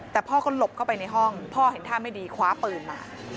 แต่พ่อก็หลบเข้าไปในห้องพ่อเห็นท่าไม่ดีคว้าปืนมา